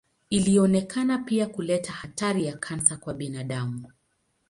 Ilionekana pia kuleta hatari ya kansa kwa binadamu.